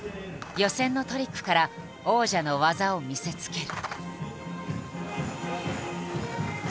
予選のトリックから王者の技を見せつける。